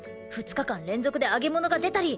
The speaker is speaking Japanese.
２日間連続で揚げ物が出たり。